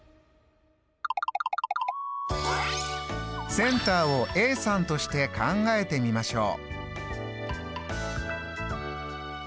センターをＡさんとして考えてみましょう。